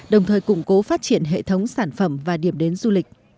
đồng thời củng cố phát triển hệ thống sản phẩm và điểm đến du lịch